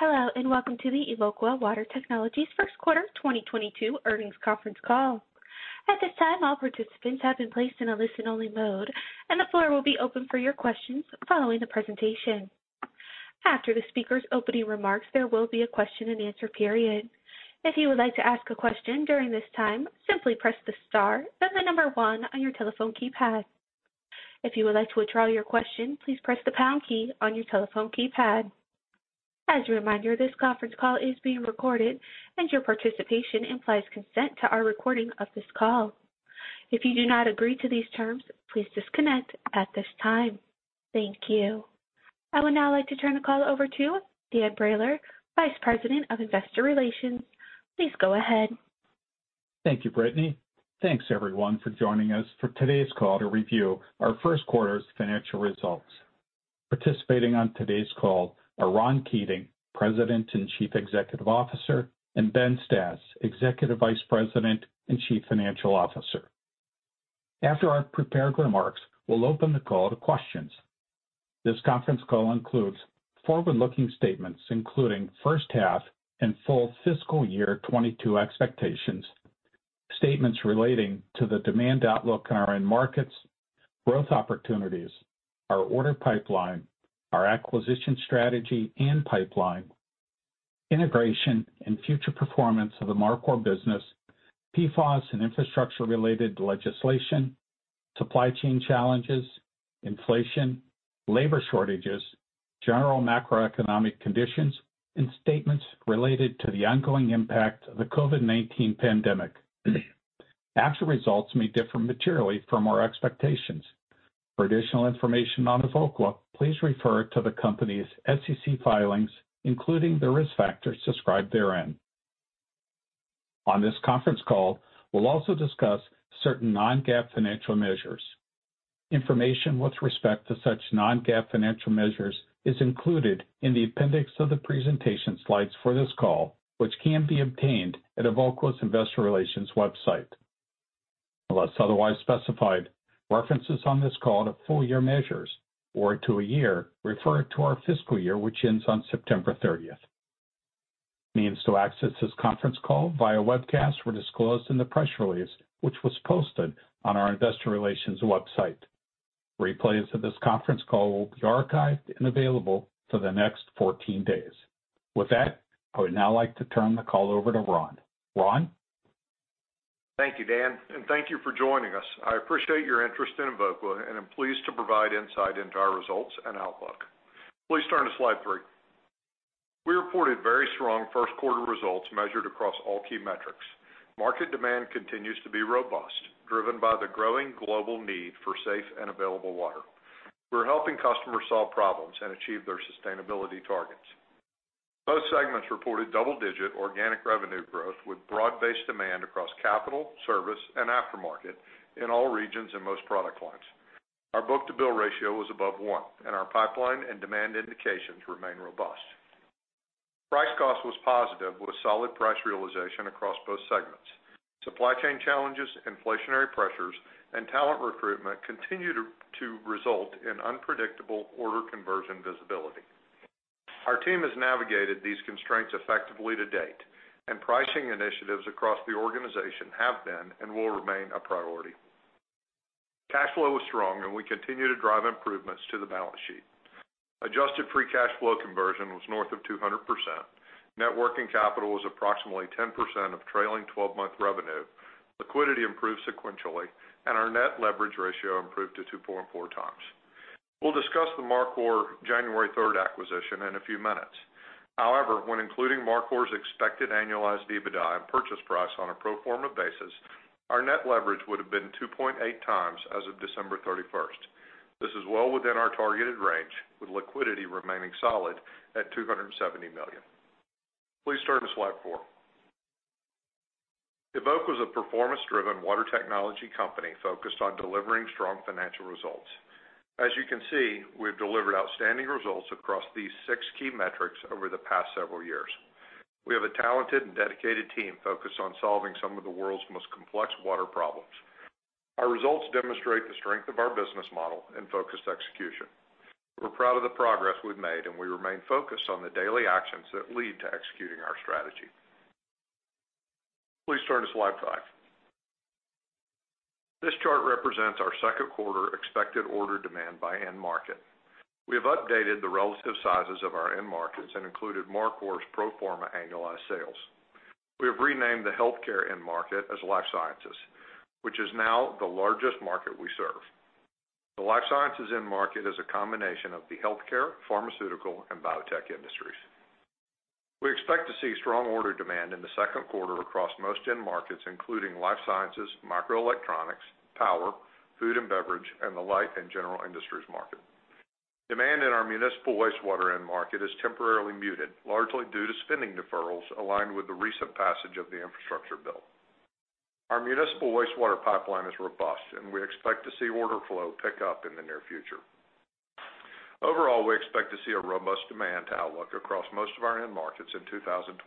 Hello, and welcome to the Evoqua Water Technologies First Quarter 2022 Earnings Conference Call. At this time, all participants have been placed in a listen-only mode, and the floor will be open for your questions following the presentation. After the speaker's opening remarks, there will be a question-and-answer period. If you would like to ask a question during this time, simply press the star then the number one on your telephone keypad. If you would like to withdraw your question, please press the pound key on your telephone keypad. As a reminder, this conference call is being recorded, and your participation implies consent to our recording of this call. If you do not agree to these terms, please disconnect at this time. Thank you. I would now like to turn the call over to Dan Brailer, Vice President of Investor Relations. Please go ahead. Thank you, Brittany. Thanks everyone for joining us for today's call to review our first quarter's financial results. Participating on today's call are Ron Keating, President and Chief Executive Officer, and Ben Stas, Executive Vice President and Chief Financial Officer. After our prepared remarks, we'll open the call to questions. This conference call includes forward-looking statements, including first half and full fiscal year 2022 expectations, statements relating to the demand outlook in our end markets, growth opportunities, our order pipeline, our acquisition strategy and pipeline, integration and future performance of the Mar Cor business, PFAS and infrastructure-related legislation, supply chain challenges, inflation, labor shortages, general macroeconomic conditions and statements related to the ongoing impact of the COVID-19 pandemic. Actual results may differ materially from our expectations. For additional information on Evoqua, please refer to the company's SEC filings, including the risk factors described therein. On this conference call, we'll also discuss certain non-GAAP financial measures. Information with respect to such non-GAAP financial measures is included in the appendix of the presentation slides for this call, which can be obtained at Evoqua's investor relations website. Unless otherwise specified, references on this call to full-year measures or to a year refer to our fiscal year, which ends on September thirtieth. Means to access this conference call via webcast were disclosed in the press release, which was posted on our investor relations website. Replays of this conference call will be archived and available for the next 14 days. With that, I would now like to turn the call over to Ron. Ron? Thank you, Dan, and thank you for joining us. I appreciate your interest in Evoqua, and I'm pleased to provide insight into our results and outlook. Please turn to slide three. We reported very strong first quarter results measured across all key metrics. Market demand continues to be robust, driven by the growing global need for safe and available water. We're helping customers solve problems and achieve their sustainability targets. Both segments reported double-digit organic revenue growth with broad-based demand across capital, service and aftermarket in all regions and most product lines. Our book-to-bill ratio was above one, and our pipeline and demand indications remain robust. Price cost was positive with solid price realization across both segments. Supply chain challenges, inflationary pressures and talent recruitment continue to result in unpredictable order conversion visibility. Our team has navigated these constraints effectively to date, and pricing initiatives across the organization have been and will remain a priority. Cash flow was strong, and we continue to drive improvements to the balance sheet. Adjusted free cash flow conversion was north of 200%. Net working capital was approximately 10% of trailing twelve-month revenue. Liquidity improved sequentially, and our net leverage ratio improved to 2.4x. We'll discuss the Mar Cor January 3 acquisition in a few minutes. However, when including Mar Cor's expected annualized EBITDA and purchase price on a pro forma basis, our net leverage would have been 2.8x as of December 31st. This is well within our targeted range, with liquidity remaining solid at $270 million. Please turn to slide four. Evoqua is a performance-driven water technology company focused on delivering strong financial results. As you can see, we've delivered outstanding results across these six key metrics over the past several years. We have a talented and dedicated team focused on solving some of the world's most complex water problems. Our results demonstrate the strength of our business model and focused execution. We're proud of the progress we've made, and we remain focused on the daily actions that lead to executing our strategy. Please turn to slide five. This chart represents our second quarter expected order demand by end market. We have updated the relative sizes of our end markets and included Mar Cor's pro forma annualized sales. We have renamed the healthcare end market as Life Sciences, which is now the largest market we serve. The Life Sciences end market is a combination of the healthcare, pharmaceutical and biotech industries. We expect to see strong order demand in the second quarter across most end markets, including Life Sciences, microelectronics, power, food and beverage, and the light and general industries market. Demand in our municipal wastewater end market is temporarily muted, largely due to spending deferrals aligned with the recent passage of the infrastructure bill. Our municipal wastewater pipeline is robust, and we expect to see order flow pick up in the near future. Overall, we expect to see a robust demand outlook across most of our end markets in 2022.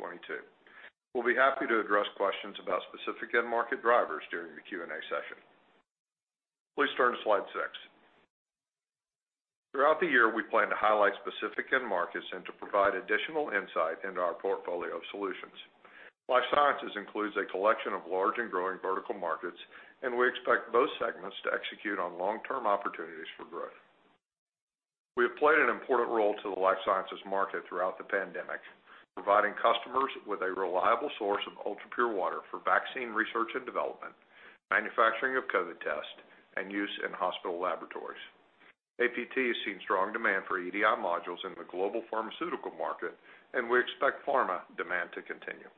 We'll be happy to address questions about specific end market drivers during the Q&A session. Please turn to slide six. Throughout the year, we plan to highlight specific end markets and to provide additional insight into our portfolio of solutions. Life Sciences includes a collection of large and growing vertical markets, and we expect both segments to execute on long-term opportunities for growth. We have played an important role in the Life Sciences market throughout the pandemic, providing customers with a reliable source of ultrapure water for vaccine research and development, manufacturing of COVID tests, and use in hospital laboratories. APT has seen strong demand for EDI modules in the global pharmaceutical market, and we expect pharma demand to continue.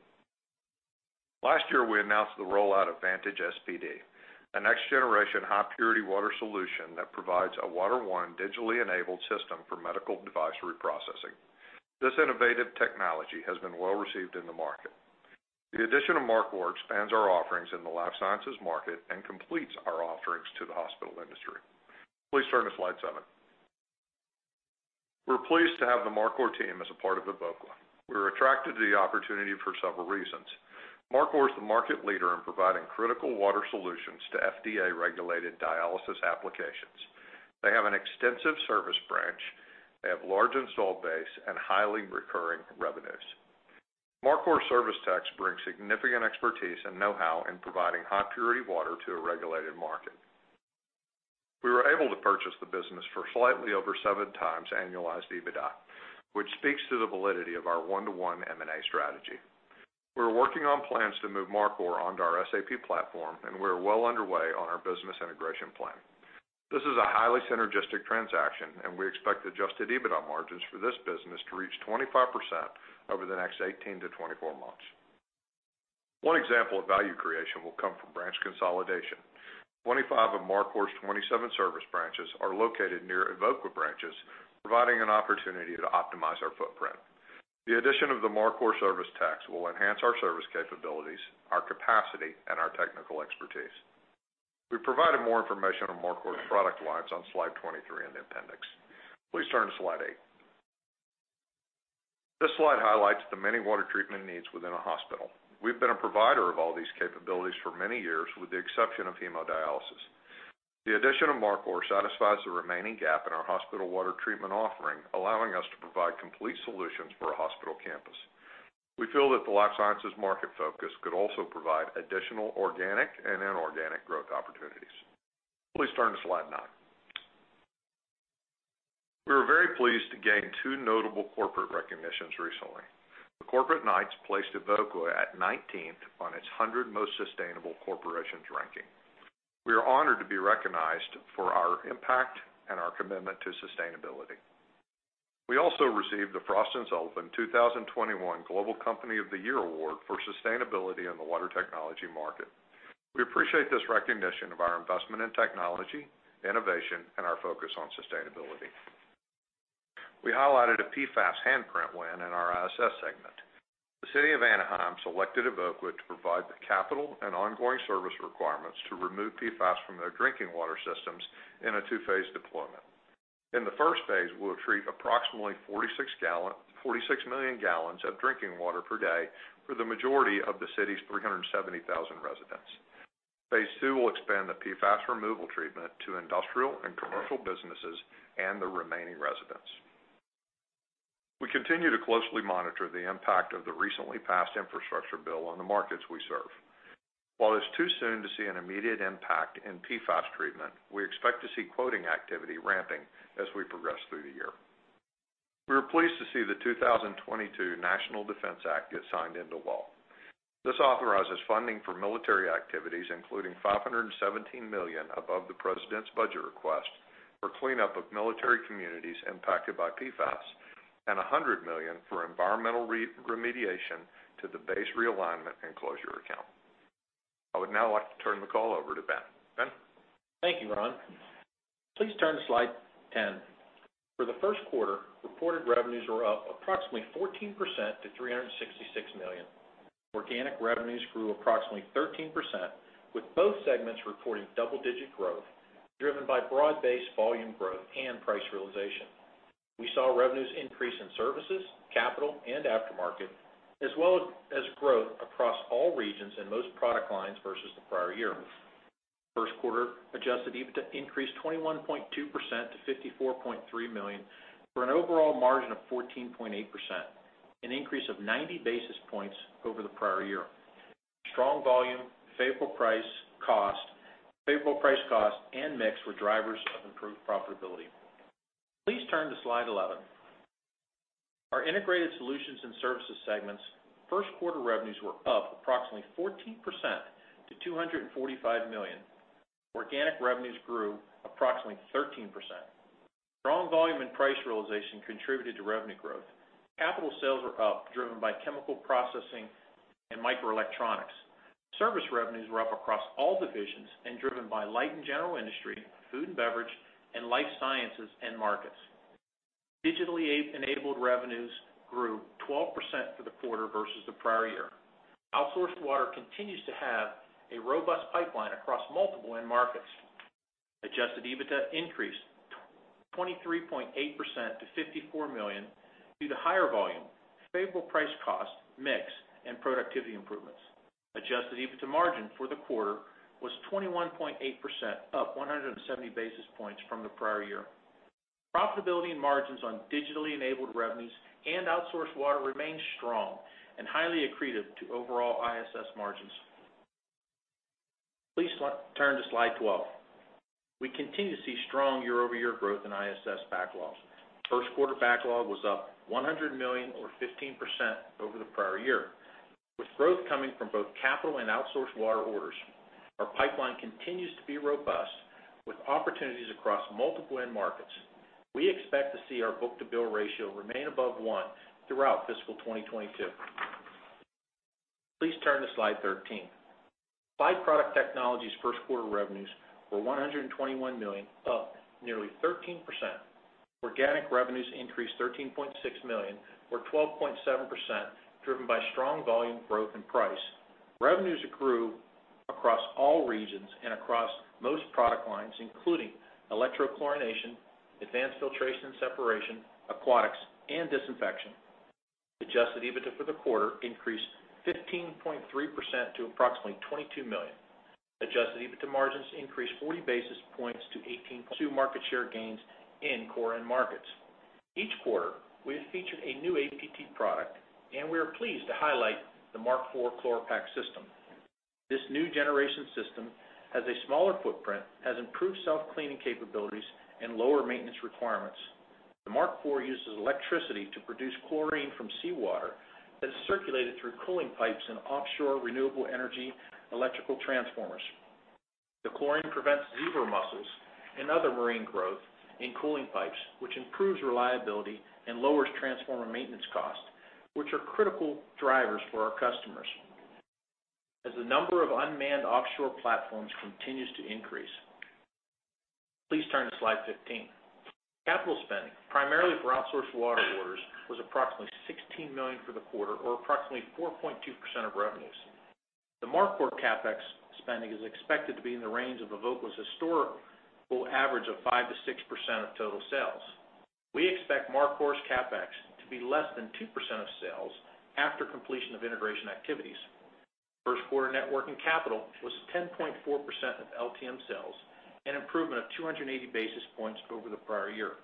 Last year, we announced the rollout of Vantage SPD, a next-generation high-purity water solution that provides an all-in-one digitally enabled system for medical device reprocessing. This innovative technology has been well received in the market. The addition of Mar Cor expands our offerings in the Life Sciences market and completes our offerings to the hospital industry. Please turn to slide seven. We're pleased to have the Mar Cor team as a part of Evoqua. We were attracted to the opportunity for several reasons. Mar Cor is the market leader in providing critical water solutions to FDA-regulated dialysis applications. They have an extensive service branch. They have a large installed base and highly recurring revenues. Mar Cor service techs bring significant expertise and know-how in providing high-purity water to a regulated market. We were able to purchase the business for slightly over 7x annualized EBITDA, which speaks to the validity of our one-to-one M&A strategy. We're working on plans to move Mar Cor onto our SAP platform, and we're well underway on our business integration plan. This is a highly synergistic transaction, and we expect adjusted EBITDA margins for this business to reach 25% over the next 18-24 months. One example of value creation will come from branch consolidation. 25 of Mar Cor's 27 service branches are located near Evoqua branches, providing an opportunity to optimize our footprint. The addition of the Mar Cor service techs will enhance our service capabilities, our capacity, and our technical expertise. We've provided more information on Mar Cor's product lines on slide 23 in the appendix. Please turn to slide eight. This slide highlights the many water treatment needs within a hospital. We've been a provider of all these capabilities for many years, with the exception of hemodialysis. The addition of Mar Cor satisfies the remaining gap in our hospital water treatment offering, allowing us to provide complete solutions for a hospital campus. We feel that the Life Sciences market focus could also provide additional organic and inorganic growth opportunities. Please turn to slide nine. We were very pleased to gain two notable corporate recognitions recently. The Corporate Knights placed Evoqua at nineteenth on its 100 most sustainable corporations ranking. We are honored to be recognized for our impact and our commitment to sustainability. We also received the Frost & Sullivan 2021 Global Company of the Year Award for sustainability in the water technology market. We appreciate this recognition of our investment in technology, innovation, and our focus on sustainability. We highlighted a PFAS handprint win in our ISS segment. The City of Anaheim selected Evoqua to provide the capital and ongoing service requirements to remove PFAS from their drinking water systems in a 2-phase deployment. In the first phase, we'll treat approximately 46 million gallons of drinking water per day for the majority of the city's 370,000 residents. Phase II will expand the PFAS removal treatment to industrial and commercial businesses and the remaining residents. We continue to closely monitor the impact of the recently passed infrastructure bill on the markets we serve. While it's too soon to see an immediate impact in PFAS treatment, we expect to see quoting activity ramping as we progress through the year. We were pleased to see the 2022 National Defense Act get signed into law. This authorizes funding for military activities, including $517 million above the President's budget request for cleanup of military communities impacted by PFAS and $100 million for environmental remediation to the base realignment and closure account. I would now like to turn the call over to Ben. Ben? Thank you, Ron. Please turn to slide 10. For the first quarter, reported revenues were up approximately 14% to $366 million. Organic revenues grew approximately 13%, with both segments reporting double-digit growth, driven by broad-based volume growth and price realization. We saw revenues increase in services, capital, and aftermarket, as well as growth across all regions and most product lines versus the prior year. First quarter adjusted EBITDA increased 21.2% to $54.3 million, for an overall margin of 14.8%, an increase of 90 basis points over the prior year. Strong volume, favorable price cost, and mix were drivers of improved profitability. Please turn to slide 11. Our integrated solutions and services segment's first quarter revenues were up approximately 14% to $245 million. Organic revenues grew approximately 13%. Strong volume and price realization contributed to revenue growth. Capital sales were up, driven by chemical processing and microelectronics. Service revenues were up across all divisions and driven by light and general industry, food and beverage, and Life Sciences end markets. Digitally enabled revenues grew 12% for the quarter versus the prior year. Outsourced water continues to have a robust pipeline across multiple end markets. Adjusted EBITDA increased 23.8% to $54 million due to higher volume, favorable price-cost, mix, and productivity improvements. Adjusted EBITDA margin for the quarter was 21.8%, up 170 basis points from the prior year. Profitability and margins on digitally enabled revenues and outsourced water remained strong and highly accretive to overall ISS margins. Please turn to slide 12. We continue to see strong year-over-year growth in ISS backlogs. First quarter backlog was up $100 million or 15% over the prior year, with growth coming from both capital and outsourced water orders. Our pipeline continues to be robust, with opportunities across multiple end markets. We expect to see our book-to-bill ratio remain above 1 throughout FY 2022. Please turn to slide 13. Applied Product Technologies first quarter revenues were $121 million, up nearly 13%. Organic revenues increased $13.6 million or 12.7%, driven by strong volume growth and price. Revenues grew across all regions and across most product lines, including electro-chlorination, advanced filtration and separation, aquatics and disinfection. Adjusted EBITDA for the quarter increased 15.3% to approximately $22 million. Adjusted EBITDA margins increased 40 basis points to 18.2% due to market share gains in core end markets. Each quarter, we have featured a new APT product, and we are pleased to highlight the Mar Cor Chloropac system. This new generation system has a smaller footprint, has improved self-cleaning capabilities and lower maintenance requirements. The Mar Cor uses electricity to produce chlorine from seawater that is circulated through cooling pipes in offshore renewable energy electrical transformers. The chlorine prevents zebra mussels and other marine growth in cooling pipes, which improves reliability and lowers transformer maintenance costs, which are critical drivers for our customers as the number of unmanned offshore platforms continues to increase. Please turn to slide 15. Capital spending, primarily for outsourced water orders, was approximately $16 million for the quarter or approximately 4.2% of revenues. The Mar CorCapEx spending is expected to be in the range of Evoqua's historical average of 5%-6% of total sales. We expect Mark Cor's CapEx to be less than 2% of sales after completion of integration activities. First quarter net working capital was 10.4% of LTM sales, an improvement of 280 basis points over the prior year.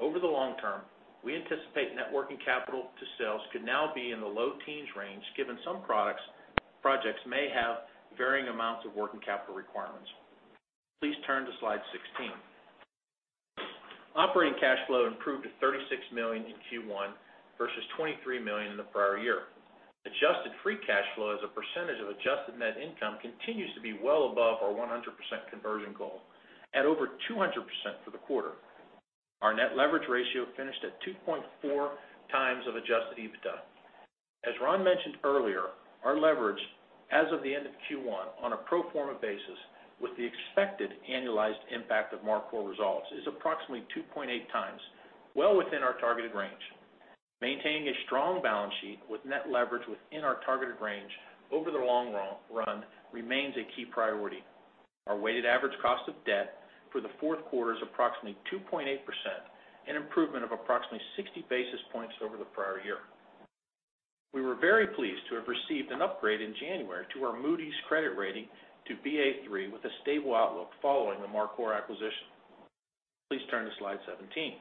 Over the long-term, we anticipate net working capital to sales could now be in the low teens range, given some projects may have varying amounts of working capital requirements. Please turn to slide 16. Operating cash flow improved to $36 million in Q1 versus $23 million in the prior year. Adjusted free cash flow as a percentage of adjusted net income continues to be well above our 100% conversion goal at over 200% for the quarter. Our net leverage ratio finished at 2.4x adjusted EBITDA. As Ron mentioned earlier, our leverage as of the end of Q1 on a pro forma basis with the expected annualized impact of Mark Cor results is approximately 2.8x, well within our targeted range. Maintaining a strong balance sheet with net leverage within our targeted range over the long run remains a key priority. Our weighted average cost of debt for the fourth quarter is approximately 2.8%, an improvement of approximately 60 basis points over the prior year. We were very pleased to have received an upgrade in January to our Moody's credit rating to Ba3 with a stable outlook following the Mark Cor acquisition. Please turn to slide 17.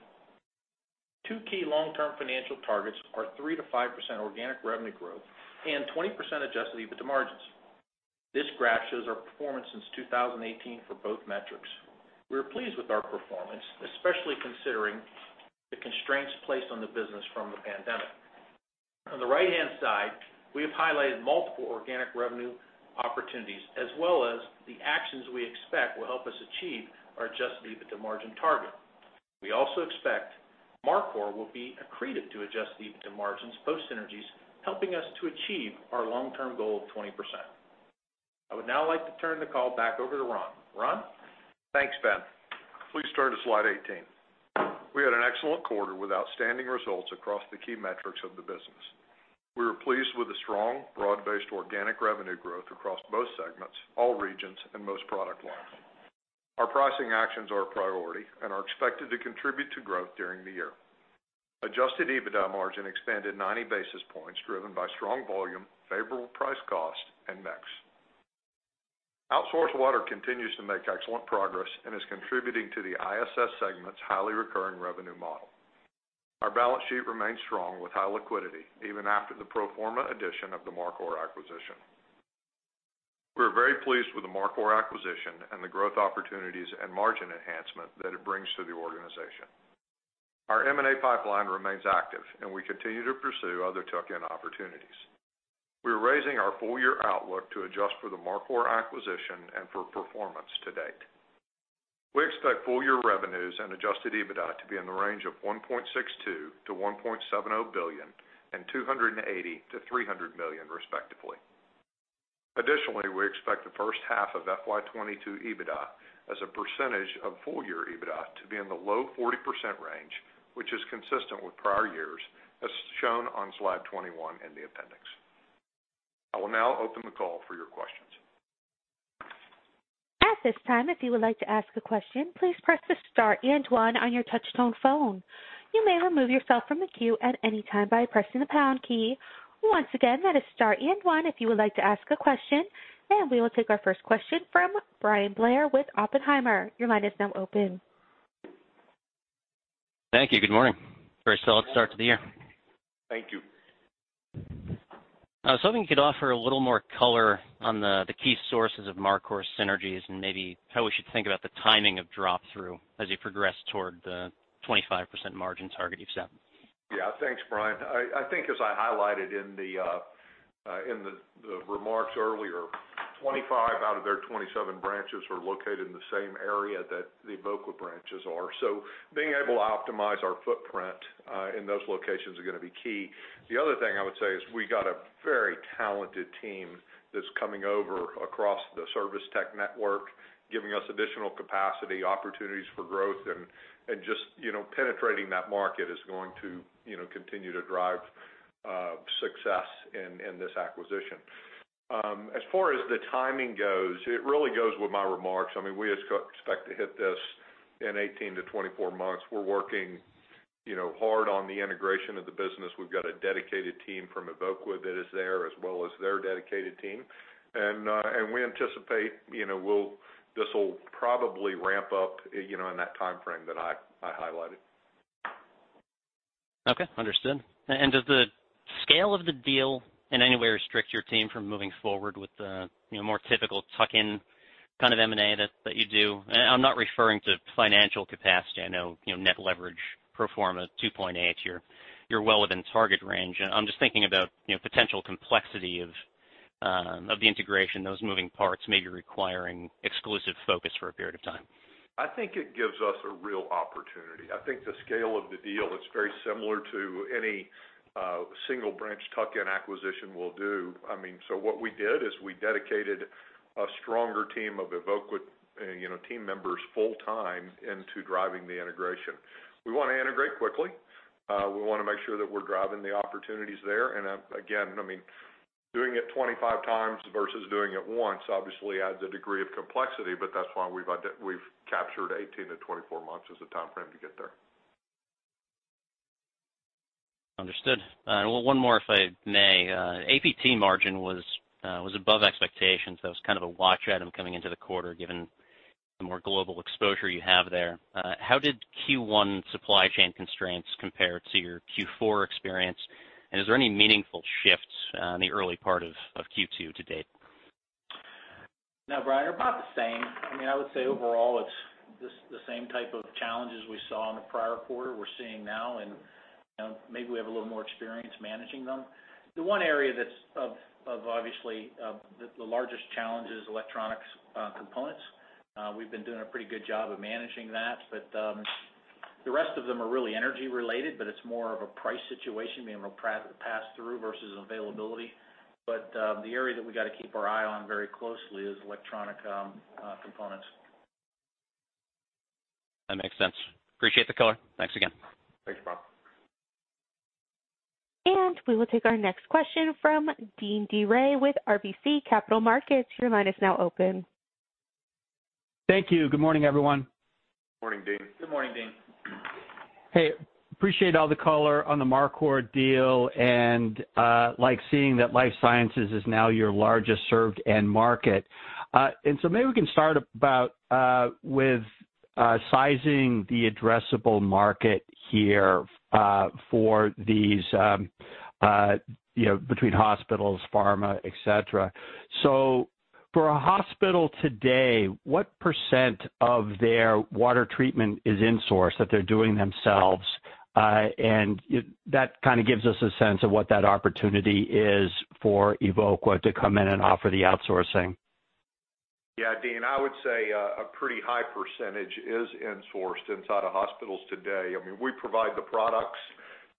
Two key long-term financial targets are 3%-5% organic revenue growth and 20% adjusted EBITDA margins. This graph shows our performance since 2018 for both metrics. We are pleased with our performance, especially considering the constraints placed on the business from the pandemic. On the right-hand side, we have highlighted multiple organic revenue opportunities as well as the actions we expect will help us achieve our adjusted EBITDA margin target. We also expect Mar Cor will be accretive to adjusted EBITDA margins, post synergies, helping us to achieve our long-term goal of 20%. I would now like to turn the call back over to Ron. Ron? Thanks, Ben. Please turn to slide 18. We had an excellent quarter with outstanding results across the key metrics of the business. We were pleased with the strong, broad-based organic revenue growth across both segments, all regions, and most product lines. Our pricing actions are a priority and are expected to contribute to growth during the year. Adjusted EBITDA margin expanded 90 basis points, driven by strong volume, favorable price cost, and mix. Outsourced water continues to make excellent progress and is contributing to the ISS segment's highly recurring revenue model. Our balance sheet remains strong with high liquidity, even after the pro forma addition of the Mark Cor acquisition. We are very pleased with the Mark Cor acquisition and the growth opportunities and margin enhancement that it brings to the organization. Our M&A pipeline remains active, and we continue to pursue other tuck-in opportunities. We are raising our full-year outlook to adjust for the Mar Cor acquisition and for performance to date. We expect full-year revenues and adjusted EBITDA to be in the range of $1.62 billion-$1.7 billion and $280 million-$300 million, respectively. Additionally, we expect the first half of FY 2022 EBITDA as a percentage of full-year EBITDA to be in the low 40% range, which is consistent with prior years, as shown on slide 21 in the appendix. I will now open the call for your questions. At this time, if you would like to ask a question, please press the star and one on your touchtone phone. You may remove yourself from the queue at any time by pressing the pound key. Once again, that is star and one if you would like to ask a question. We will take our first question from Bryan Blair with Oppenheimer. Your line is now open. Thank you. Good morning. Very solid start to the year. Thank you. I was hoping you could offer a little more color on the key sources of Mar Cor synergies and maybe how we should think about the timing of drop-through as you progress toward the 25% margin target you've set. Yeah. Thanks, Bryan. I think as I highlighted in the remarks earlier, 25 out of their 27 branches are located in the same area that the Evoqua branches are. Being able to optimize our footprint in those locations is gonna be key. The other thing I would say is we got a very talented team that's coming over across the service tech network, giving us additional capacity, opportunities for growth, and just, you know, penetrating that market is going to, you know, continue to drive success in this acquisition. As far as the timing goes, it really goes with my remarks. I mean, we expect to hit this in 18-24 months. We're working, you know, hard on the integration of the business. We've got a dedicated team from Evoqua that is there as well as their dedicated team. We anticipate, you know, this will probably ramp up, you know, in that timeframe that I highlighted. Okay. Understood. Does the scale of the deal in any way restrict your team from moving forward with the, you know, more typical tuck-in kind of M&A that you do? I'm not referring to financial capacity. I know, you know, net leverage pro forma 2.8, you're well within target range. I'm just thinking about, you know, potential complexity of the integration, those moving parts maybe requiring exclusive focus for a period of time. I think it gives us a real opportunity. I think the scale of the deal is very similar to any single branch tuck-in acquisition we'll do. I mean, what we did is we dedicated a stronger team of Evoqua team members full-time into driving the integration. We wanna integrate quickly. We wanna make sure that we're driving the opportunities there. Again, I mean, doing it 25x versus doing it once obviously adds a degree of complexity, but that's why we've captured 18-24 months as a timeframe to get there. Understood. One more if I may. APT margin was above expectations. That was kind of a watch item coming into the quarter given the more global exposure you have there. How did Q1 supply chain constraints compare to your Q4 experience? Is there any meaningful shifts in the early part of Q2 to date? No, Bryan, about the same. I mean, I would say overall it's the same type of challenges we saw in the prior quarter we're seeing now, and, you know, maybe we have a little more experience managing them. The one area that's obviously the largest challenge is electronic components. We've been doing a pretty good job of managing that. But the rest of them are really energy related, but it's more of a price situation, being a pass through versus availability. But the area that we gotta keep our eye on very closely is electronic components. That makes sense. Appreciate the color. Thanks again. Thanks, Bryan. We will take our next question from Deane Dray with RBC Capital Markets. Your line is now open. Thank you. Good morning, everyone. Morning, Deane. Good morning, Deane. Hey, appreciate all the color on the Mar Cor deal and, like seeing that Life Sciences is now your largest served end market. Maybe we can start with sizing the addressable market here, for these, you know, between hospitals, pharma, et cetera. For a hospital today, what percentage of their water treatment is insourced, that they're doing themselves? That kinda gives us a sense of what that opportunity is for Evoqua to come in and offer the outsourcing. Yeah, Deane, I would say a pretty high percentage is insourced inside of hospitals today. I mean, we provide the products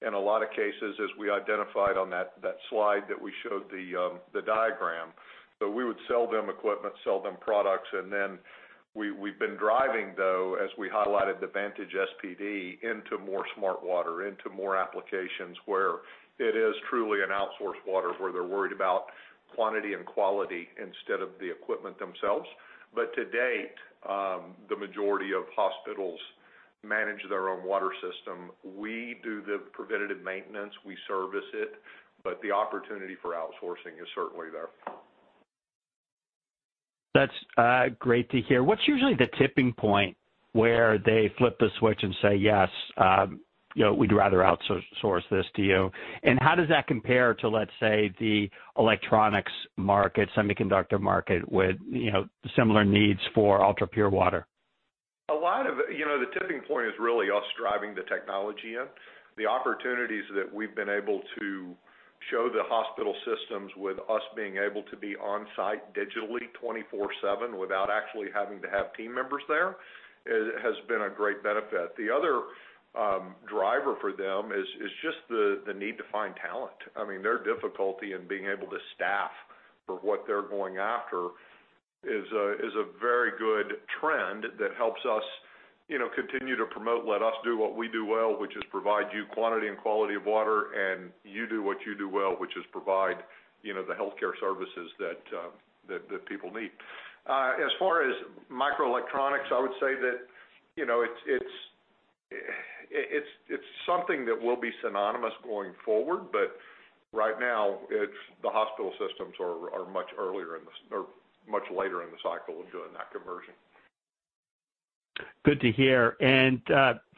in a lot of cases, as we identified on that slide that we showed the diagram. We would sell them equipment, sell them products, and then we've been driving, though, as we highlighted the Vantage SPD, into more smart water, into more applications where it is truly an outsourced water, where they're worried about quantity and quality instead of the equipment themselves. To date, the majority of hospitals manage their own water system. We do the preventative maintenance. We service it, but the opportunity for outsourcing is certainly there. That's great to hear. What's usually the tipping point where they flip the switch and say, "Yes, you know, we'd rather outsource this to you"? How does that compare to, let's say, the electronics market, semiconductor market with, you know, similar needs for ultrapure water? You know, the tipping point is really us driving the technology in. The opportunities that we've been able to show the hospital systems with us being able to be on site digitally 24/7 without actually having to have team members there has been a great benefit. The other driver for them is just the need to find talent. I mean, their difficulty in being able to staff for what they're going after is a very good trend that helps us. You know, continue to promote, let us do what we do well, which is provide the quantity and quality of water, and you do what you do well, which is provide, you know, the health care services that people need. As far as microelectronics, I would say that, you know, it's something that will be synonymous going forward, but right now the hospital systems are much later in the cycle of doing that conversion. Good to hear.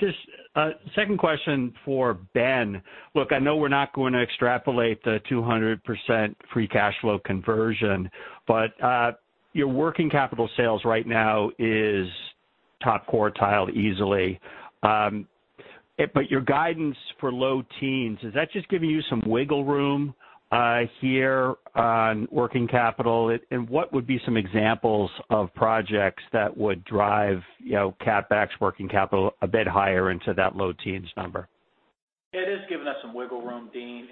Just a second question for Ben. Look, I know we're not going to extrapolate the 200% free cash flow conversion, but your working capital sales right now is top quartile easily. Your guidance for low teens, does that just give you some wiggle room here on working capital? What would be some examples of projects that would drive, you know, CapEx working capital a bit higher into that low teens number? It has given us some wiggle room, Deane.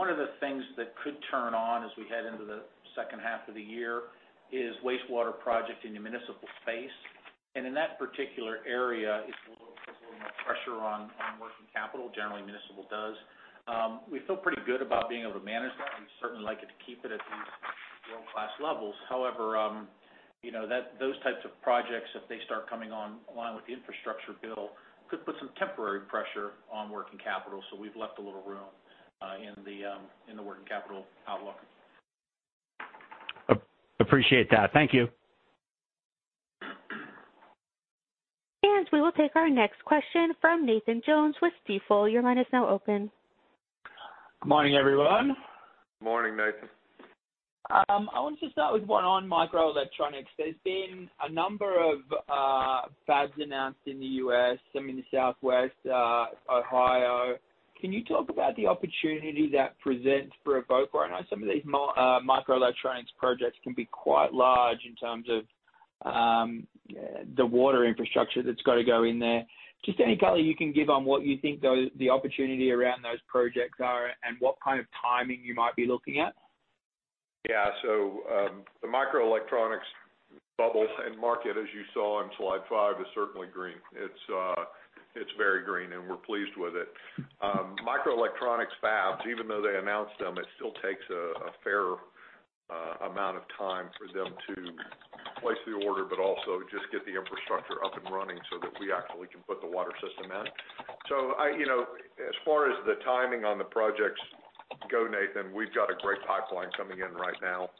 One of the things that could turn on as we head into the second half of the year is wastewater project in the municipal space. In that particular area, it puts a little more pressure on working capital, generally municipal does. We feel pretty good about being able to manage that. We certainly like it to keep it at these world-class levels. However, you know, those types of projects, if they start coming online with the infrastructure bill, could put some temporary pressure on working capital. We've left a little room in the working capital outlook. Appreciate that. Thank you. We will take our next question from Nathan Jones with Stifel. Your line is now open. Good morning, everyone. Morning, Nathan. I want to start with one on microelectronics. There's been a number of fabs announced in the U.S., some in the Southwest, Ohio. Can you talk about the opportunity that presents for Evoqua? I know some of these microelectronics projects can be quite large in terms of the water infrastructure that's got to go in there. Just any color you can give on what you think the opportunity around those projects are and what kind of timing you might be looking at. Yeah. The microelectronics bubble and market, as you saw on slide five, is certainly green. It's very green, and we're pleased with it. Microelectronics fabs, even though they announced them, it still takes a fair amount of time for them to place the order, but also just get the infrastructure up and running so that we actually can put the water system in. You know, as far as the timing on the projects go, Nathan, we've got a great pipeline coming in right now.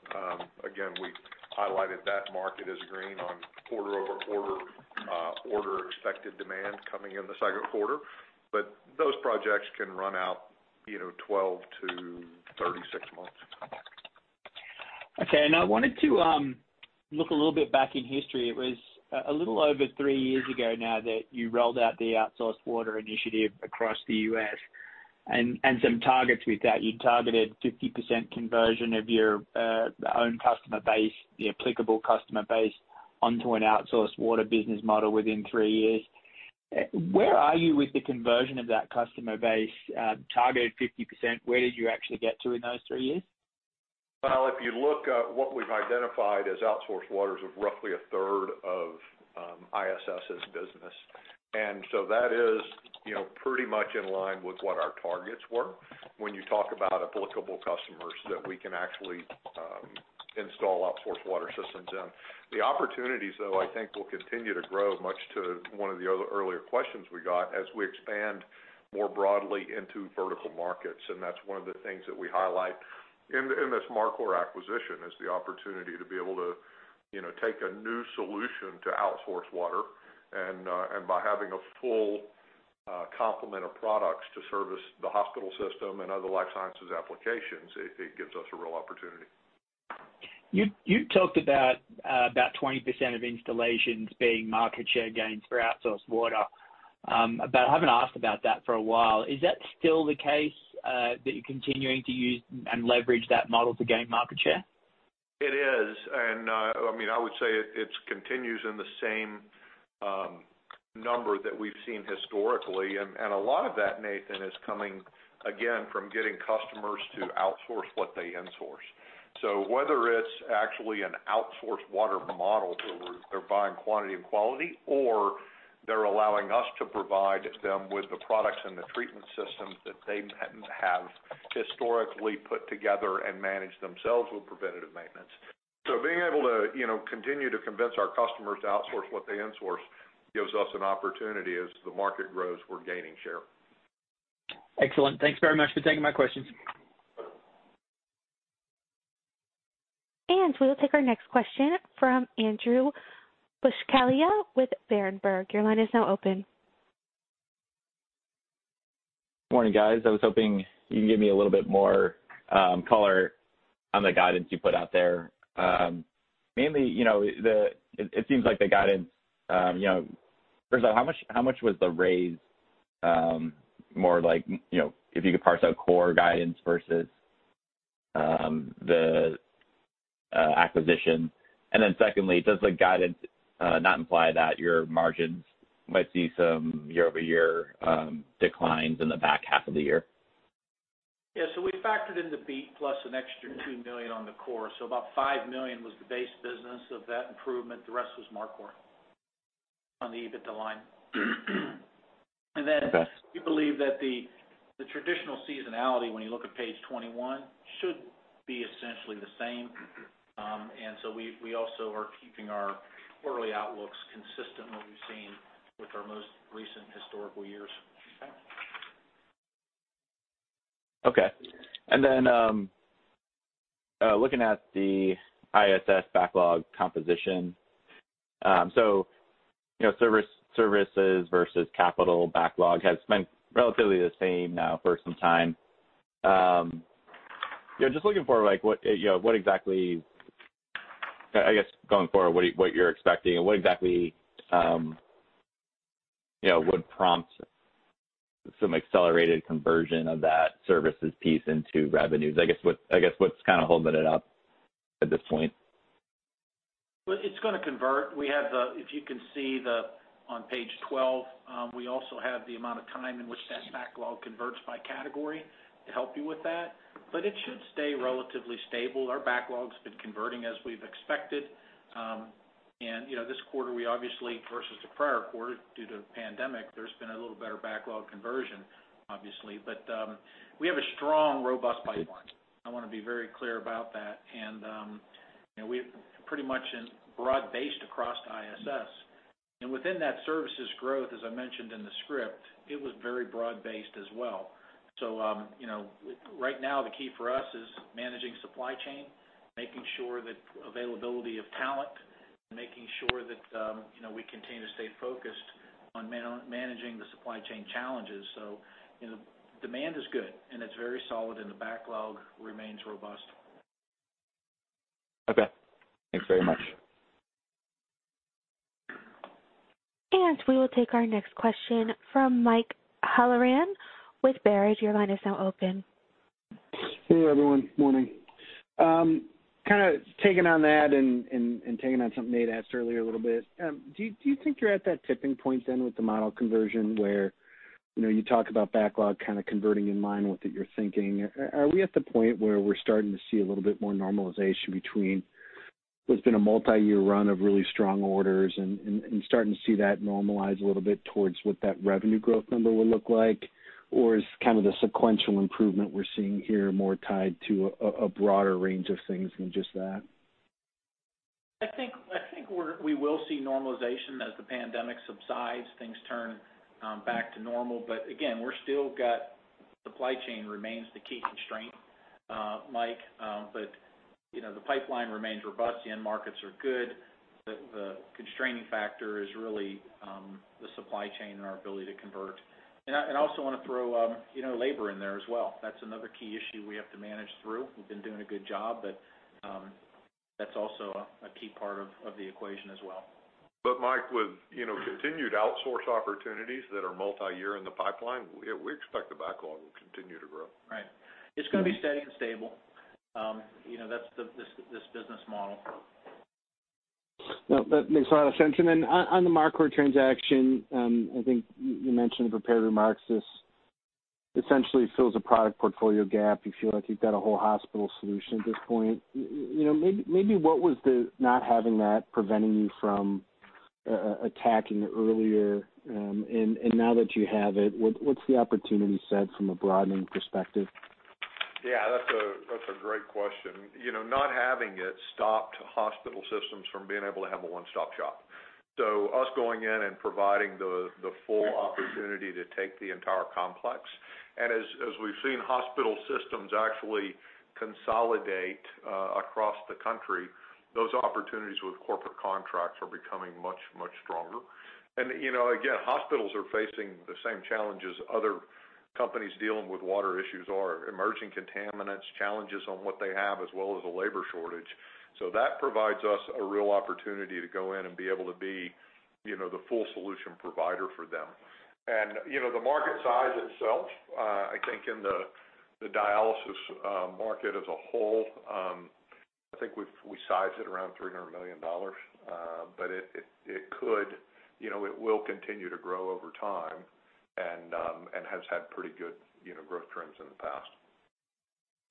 Again, we highlighted that market as green on quarter-over-quarter order expected demand coming in the second quarter. Those projects can run out, you know, 12-36 months. Okay. I wanted to look a little bit back in history. It was a little over three years ago now that you rolled out the outsourced water initiative across the U.S. and some targets with that. You targeted 50% conversion of your own customer base, the applicable customer base, onto an outsourced water business model within three years. Where are you with the conversion of that customer base? Targeted 50%, where did you actually get to in those three years? Well, if you look at what we've identified as outsourced waters of roughly a third of ISS's business. That is, you know, pretty much in line with what our targets were when you talk about applicable customers that we can actually install outsourced water systems in. The opportunities, though, I think will continue to grow, much to one of the earlier questions we got, as we expand more broadly into vertical markets. That's one of the things that we highlight in this Mar Cor acquisition, is the opportunity to be able to, you know, take a new solution to outsource water. By having a full complement of products to service the hospital system and other Life Sciences applications, it gives us a real opportunity. You talked about 20% of installations being market share gains for outsourced water. I haven't asked about that for a while. Is that still the case that you're continuing to use and leverage that model to gain market share? It is. I mean, I would say it continues in the same number that we've seen historically. A lot of that, Nathan, is coming, again, from getting customers to outsource what they insource. Whether it's actually an outsourced water model where they're buying quantity and quality, or they're allowing us to provide them with the products and the treatment systems that they hadn't have historically put together and manage themselves with preventative maintenance. Being able to, you know, continue to convince our customers to outsource what they insource gives us an opportunity. As the market grows, we're gaining share. Excellent. Thanks very much for taking my questions. We will take our next question from Andrew Buscaglia with Berenberg. Your line is now open. Morning, guys. I was hoping you can give me a little bit more color on the guidance you put out there. Mainly, you know, it seems like the guidance, you know, first of all, how much was the raise, more like, you know, if you could parse out core guidance versus the acquisition? And then secondly, does the guidance not imply that your margins might see some year-over-year declines in the back half of the year? Yeah. We factored in the beat plus an extra $2 million on the core. About $5 million was the base business of that improvement. The rest was Mar Cor on the EBITDA line. Okay. We believe that the traditional seasonality, when you look at page 21, should be essentially the same. We also are keeping our quarterly outlooks consistent with what we've seen with our most recent historical years. Okay. Then, looking at the ISS backlog composition. Services versus capital backlog has been relatively the same now for some time. Just looking for like, what exactly I guess going forward, what you're expecting and what exactly would prompt some accelerated conversion of that services piece into revenues? I guess what's kind of holding it up at this point? Well, it's gonna convert. If you can see the, on page 12, we also have the amount of time in which that backlog converts by category to help you with that, but it should stay relatively stable. Our backlog's been converting as we've expected. You know, this quarter, we obviously versus the prior quarter, due to pandemic, there's been a little better backlog conversion obviously. But we have a strong, robust pipeline. I wanna be very clear about that. You know, we've pretty much in broad-based across ISS. Within that services growth, as I mentioned in the script, it was very broad-based as well. You know, right now, the key for us is managing supply chain, making sure that availability of talent, making sure that, you know, we continue to stay focused on managing the supply chain challenges. You know, demand is good, and it's very solid, and the backlog remains robust. Okay. Thanks very much. We will take our next question from Mike Halloran with Baird. Your line is now open. Hey, everyone. Morning. Kinda taking on that and taking on something Nate asked earlier a little bit. Do you think you're at that tipping point then with the model conversion where you know you talk about backlog kind of converting in line with it, you're thinking? Are we at the point where we're starting to see a little bit more normalization between what's been a multiyear run of really strong orders and starting to see that normalize a little bit towards what that revenue growth number would look like? Or is kind of the sequential improvement we're seeing here more tied to a broader range of things than just that? I think we will see normalization as the pandemic subsides, things turn back to normal. Again, we've still got supply chain remains the key constraint, Mike. You know, the pipeline remains robust. The end markets are good. The constraining factor is really the supply chain and our ability to convert. I also wanna throw you know, labor in there as well. That's another key issue we have to manage through. We've been doing a good job, but that's also a key part of the equation as well. Mike, with you know continued outsource opportunities that are multi-year in the pipeline, we expect the backlog will continue to grow. Right. It's gonna be steady and stable. You know, that's this business model. No, that makes a lot of sense. On the Marquardt transaction, I think you mentioned the prepared remarks, this essentially fills a product portfolio gap. You feel like you've got a whole hospital solution at this point. What was the not having that preventing you from attacking it earlier? Now that you have it, what's the opportunity set from a broadening perspective? Yeah, that's a great question. You know, not having it stopped hospital systems from being able to have a one-stop shop. Us going in and providing the full opportunity to take the entire complex. As we've seen hospital systems actually consolidate across the country, those opportunities with corporate contracts are becoming much stronger. You know, again, hospitals are facing the same challenges other companies dealing with water issues are: emerging contaminants, challenges on what they have, as well as a labor shortage. That provides us a real opportunity to go in and be able to be, you know, the full solution provider for them. You know, the market size itself, I think in the dialysis market as a whole, I think we've sized it around $300 million. It could, you know, it will continue to grow over time and has had pretty good, you know, growth trends in the past.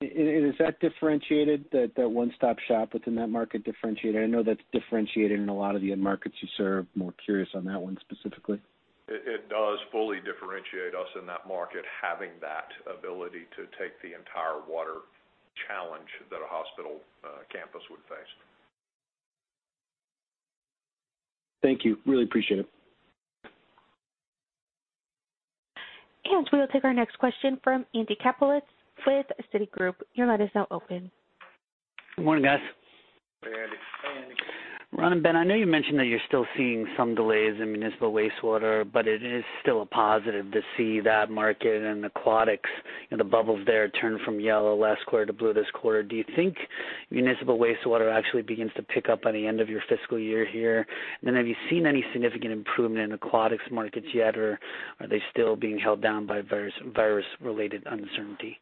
Is that differentiated, that one-stop shop within that market differentiated? I know that's differentiated in a lot of the end markets you serve. More curious on that one specifically. It does fully differentiate us in that market, having that ability to take the entire water challenge that a hospital campus would face. Thank you. Really appreciate it. We will take our next question from Andy Kaplowitz with Citigroup. Your line is now open. Good morning, guys. Hey, Andy. Hey, Andy. Ron and Ben, I know you mentioned that you're still seeing some delays in municipal wastewater, but it is still a positive to see that market and aquatics and the bubbles there turn from yellow last quarter to blue this quarter. Do you think municipal wastewater actually begins to pick up by the end of your fiscal year here? Have you seen any significant improvement in aquatics markets yet, or are they still being held down by virus-related uncertainty?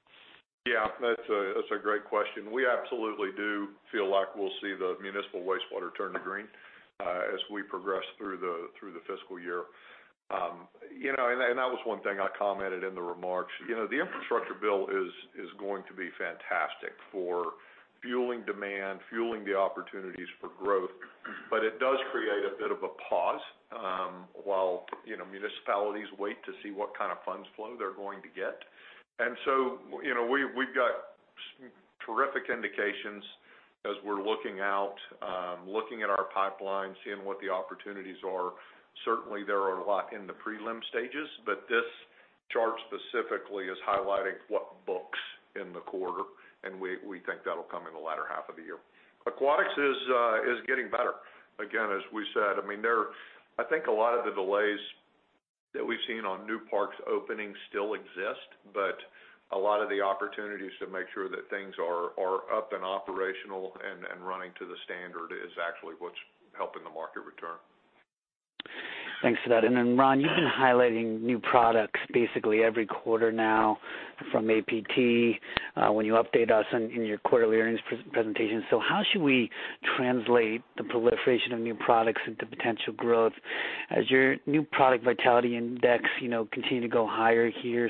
Yeah, that's a great question. We absolutely do feel like we'll see the municipal wastewater turn to green as we progress through the fiscal year. You know, and that was one thing I commented in the remarks. You know, the infrastructure bill is going to be fantastic for fueling demand, fueling the opportunities for growth. It does create a bit of a pause while municipalities wait to see what kind of funds flow they're going to get. You know, we've got terrific indications as we're looking out, looking at our pipeline, seeing what the opportunities are. Certainly, there are a lot in the prelim stages, but this chart specifically is highlighting what books in the quarter, and we think that'll come in the latter half of the year. Aquatics is getting better. Again, as we said, I mean, I think a lot of the delays that we've seen on new parks opening still exist, but a lot of the opportunities to make sure that things are up and operational and running to the standard is actually what's helping the market return. Thanks for that. Then, Ron, you've been highlighting new products basically every quarter now from APT, when you update us in your quarterly earnings presentation. How should we translate the proliferation of new products into potential growth? As your new product vitality index, you know, continue to go higher here,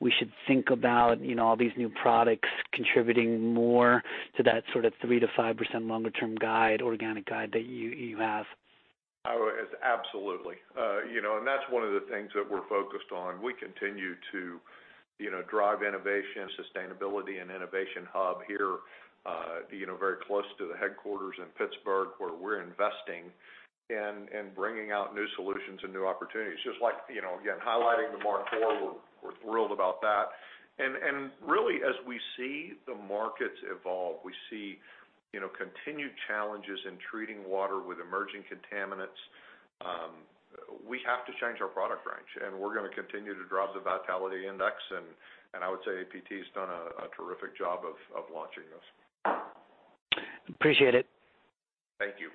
we should think about, you know, all these new products contributing more to that sort of 3%-5% longer-term guide, organic guide that you have. Oh, it's absolutely. You know, that's one of the things that we're focused on. We continue to, you know, drive innovation, sustainability, and innovation hub here, you know, very close to the headquarters in Pittsburgh, where we're investing and bringing out new solutions and new opportunities. Just like, you know, again, highlighting the Mar Cor, we're thrilled about that. Really, as we see the markets evolve, we see, you know, continued challenges in treating water with emerging contaminants. We have to change our product range, and we're gonna continue to drive the vitality index. I would say APT has done a terrific job of launching this. Appreciate it. Thank you.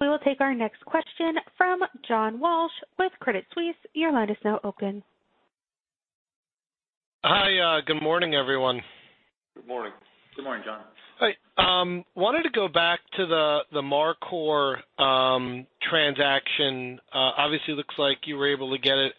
We will take our next question from John Walsh with Credit Suisse. Your line is now open. Hi. Good morning, everyone. Good morning. Good morning, John. Hi. Wanted to go back to the Mar Cor transaction. Obviously, looks like you were able to get it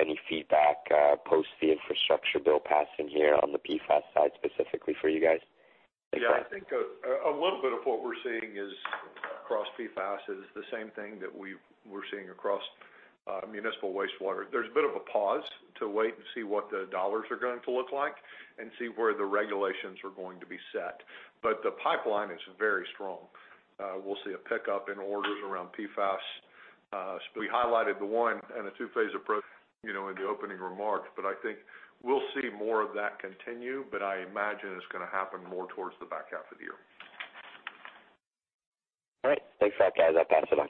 Any feedback, post the infrastructure bill passing here on the PFAS side specifically for you guys? Yeah, I think a little bit of what we're seeing is across PFAS is the same thing that we're seeing across municipal wastewater. There's a bit of a pause to wait and see what the dollars are going to look like and see where the regulations are going to be set. But the pipeline is very strong. We'll see a pickup in orders around PFAS. So we highlighted the one and a two-phase approach, you know, in the opening remarks, but I think we'll see more of that continue, but I imagine it's gonna happen more towards the back half of the year. All right. Thanks for that, guys. I pass it on.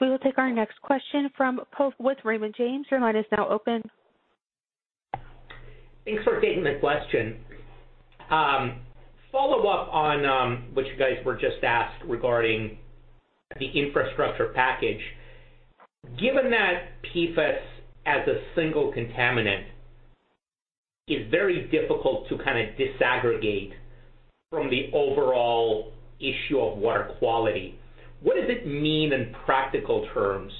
We will take our next question from Pavel with Raymond James. Your line is now open. Thanks for taking the question. Follow-up on what you guys were just asked regarding the infrastructure package. Given that PFAS as a single contaminant is very difficult to kind of disaggregate from the overall issue of water quality, what does it mean in practical terms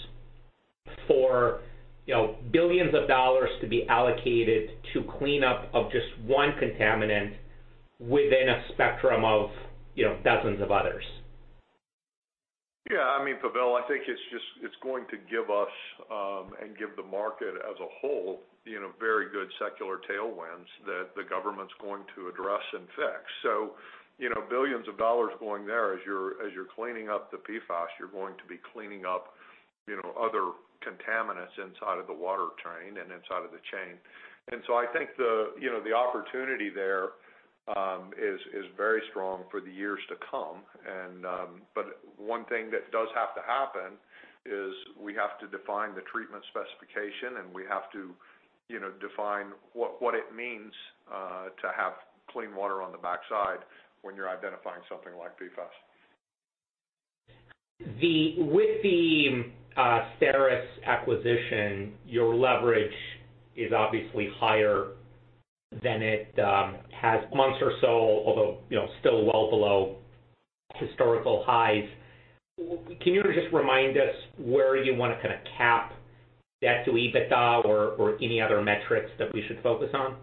for, you know, billions of dollars to be allocated to clean up of just one contaminant within a spectrum of, you know, dozens of others? I mean, Pavel, I think it's going to give us and give the market as a whole, you know, very good secular tailwinds that the government's going to address and fix. You know, billions of dollars going there as you're cleaning up the PFAS, you're going to be cleaning up, you know, other contaminants inside of the water train and inside of the chain. I think the opportunity there, you know, is very strong for the years to come. One thing that does have to happen is we have to define the treatment specification, and we have to, you know, define what it means to have clean water on the backside when you're identifying something like PFAS. With the STERISris acquisition, your leverage is obviously higher than it has been in months or so, although, you know, still well below historical highs. Can you just remind us where you wanna kinda cap debt to EBITDA or any other metrics that we should focus on?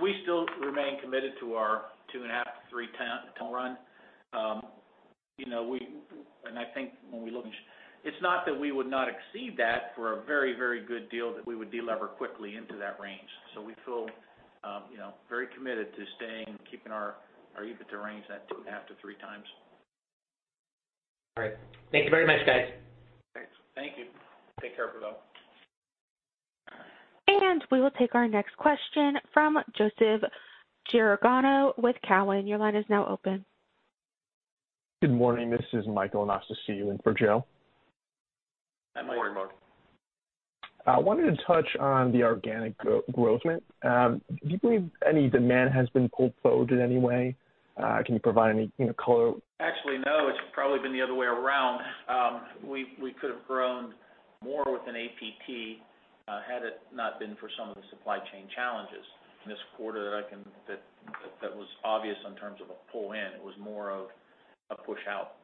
We still remain committed to our 2.5-3x run. You know, I think when we look at, it's not that we would not exceed that for a very good deal that we would delever quickly into that range. We feel, you know, very committed to staying, keeping our EBITDA range at 2.5-3x. All right. Thank you very much, guys. Thanks. Thank you. Take care, Pavel. We will take our next question from Joe Giordano with Cowen. Your line is now open. Good morning. This is Michael Anastasiou sitting in for Joe. Good morning, Michael. I wanted to touch on the organic growth rate. Do you believe any demand has been pulled forward in any way? Can you provide any, you know, color? Actually, no. It's probably been the other way around. We could have grown more with an APT, had it not been for some of the supply chain challenges this quarter. That was obvious in terms of a pull in, it was more of a push out.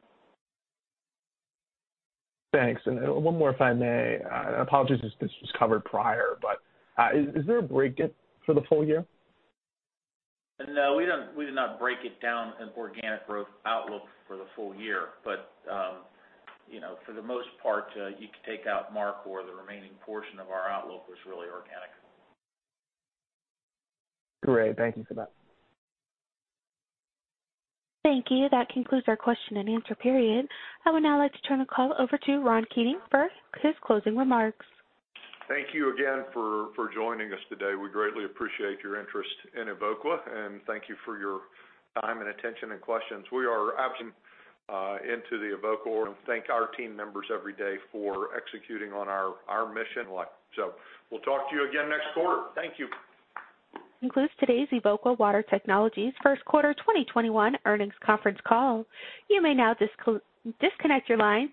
Thanks. One more, if I may. Apologies if this was covered prior, but is there a breakout for the full-year? No. We did not break it down as organic growth outlook for the full-year. You know, for the most part, you could take out DeMarco or the remaining portion of our outlook was really organic. Great. Thank you so much. Thank you. That concludes our question-and-answer period. I would now like to turn the call over to Ron Keating for his closing remarks. Thank you again for joining us today. We greatly appreciate your interest in Evoqua, and thank you for your time and attention and questions. We are absolutely into Evoqua and thank our team members every day for executing on our mission. We'll talk to you again next quarter. Thank you. concludes today's Evoqua Water Technologies first quarter 2021 earnings conference call. You may now disconnect your lines.